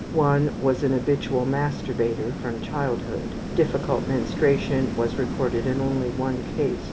One was an habitual masturbator from childhood. Difficult menstruation was reported in only one case.